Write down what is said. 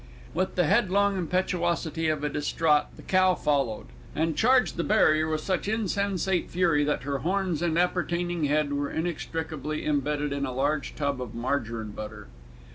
With the headlong impetuosity of a distraught the cow followed, and charged the barrier with such insensate fury that her horns and appertaining head were inextricably imbedded in a large tub of margarine butter.